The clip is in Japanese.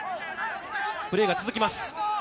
プレーが続きます。